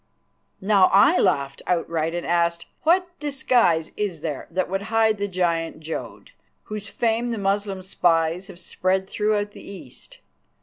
Now I laughed outright and asked, "What disguise is there that would hide the giant Jodd, whose fame the Moslem spies have spread throughout the East?